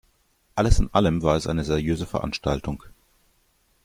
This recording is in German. Alles in allem war es eine seriöse Veranstaltung.